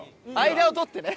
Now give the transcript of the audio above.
間を取ってね。